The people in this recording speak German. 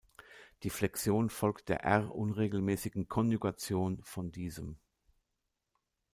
Die Flexion folgt der R-unregelmäßigen Konjugation von diesem.